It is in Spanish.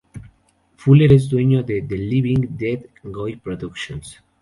Fuller es dueño de 'The Living Dead Guy Productions'.